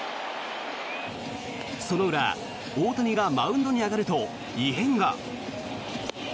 その裏、大谷がマウンドに上がると異変が。